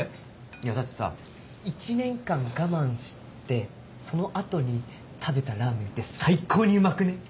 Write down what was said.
いやだってさ１年間我慢してその後に食べたラーメンって最高にうまくね？